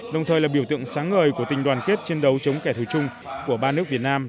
đồng thời là biểu tượng sáng ngời của tình đoàn kết chiến đấu chống kẻ thù chung của ba nước việt nam